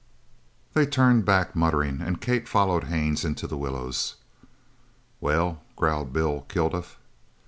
They turned back, muttering, and Kate followed Haines into the willows. "Well?" growled Bill Kilduff.